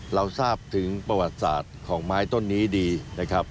เราทราบถึงประวัติศาสตร์ของไม้ต้นนี้ดีนะครับ